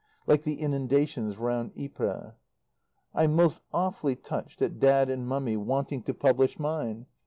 Like the inundations round Ypres. I'm most awfully touched at Dad and Mummy wanting to publish mine.